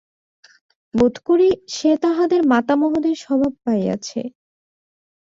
বোধ করি সে তাহাদের মাতামহদের স্বভাব পাইয়াছে।